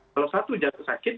kalau satu jatuh sakit